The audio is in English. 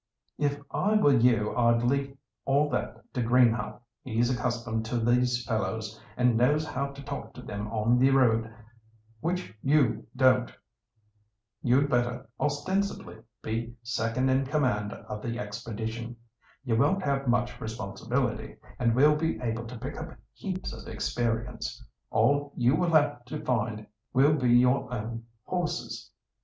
"If I were you I'd leave all that to Greenhaugh; he's accustomed to these fellows, and knows how to talk to them on the road, which you don't. You'd better, ostensibly, be second in command of the expedition. You won't have much responsibility, and will be able to pick up heaps of experience. All you will have to find will be your own horses.